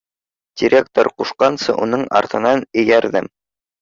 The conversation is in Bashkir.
Директор ҡушҡанса уның артынан эйәрҙем.